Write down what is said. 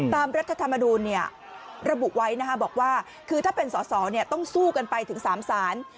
ตามรัฐธรรมดูลเนี่ยระบุไว้นะคะบอกว่าคือถ้าเป็นสอเนี่ยต้องสู้กันไปถึง๓สาร